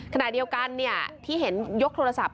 ขณะเดียวกันที่เห็นยกโทรศัพท์